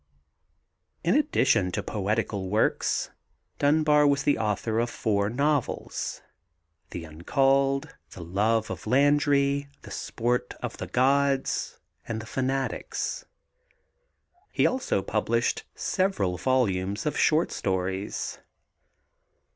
In addition to poetical works, Dunbar was the author of four novels, The Uncalled, The Love of Landry, The Sport of the Gods, and The Fanatics. He also published several volumes of short stories.